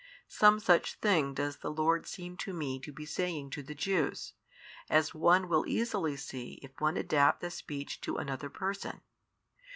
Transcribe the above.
Some such thing does the Lord seem to me to be saying to the Jews, as one will easily see if one adapt the speech to another person.